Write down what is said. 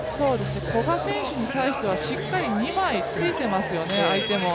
古賀選手に対してはしっかり二枚ついてますよね、相手も。